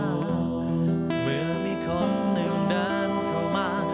เมื่อมีคนหนึ่งเดินเข้ามา